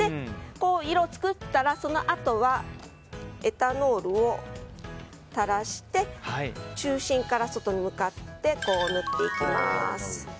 色を作ったら、そのあとはエタノールを垂らして中心から外に向かって塗っていきます。